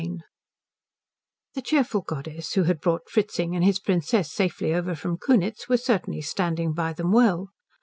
IX The cheerful goddess who had brought Fritzing and his Princess safely over from Kunitz was certainly standing by them well.